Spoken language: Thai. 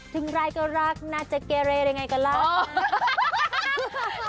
ถึงไรก็รักน่าจะเกรย์อะไรอย่างไรก็รัก